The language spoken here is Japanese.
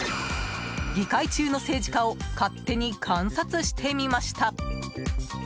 議会中の政治家を勝手に観察してみました。